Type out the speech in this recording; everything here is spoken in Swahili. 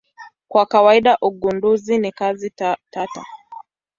Kwa kawaida ugunduzi ni kazi tata.